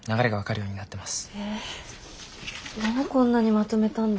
へえもうこんなにまとめたんだ。